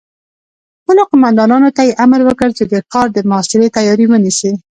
خپلو قوماندانانو ته يې امر وکړ چې د ښار د محاصرې تياری ونيسي.